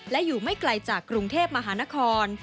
และอยู่ไม่ไกลจากกรุงเทพมหานคร